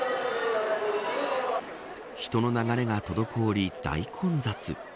人の流れが滞り大混雑。